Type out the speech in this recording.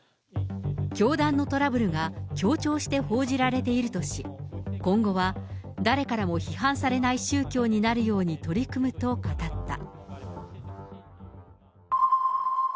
教団のトラブルが強調して報じられているとし、今後は、誰からも批判されない宗教になるように取り組むと語った。